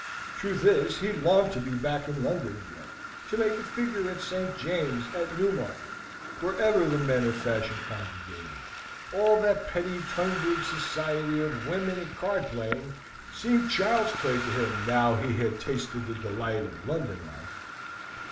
Truth is, he longed to be back in London again, to make a figure at St. James's, at Newmarket, wherever the men of fashion congregated. All that petty Tunbridge society of women and card playing seemed child's play to him now he had tasted the delight of London life.